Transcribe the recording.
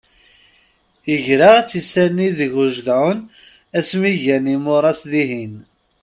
Igra ad tt-issani deg ujedɛun asmi ggin imuras dihin.